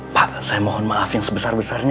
pak saya mohon maaf yang sebesar besarnya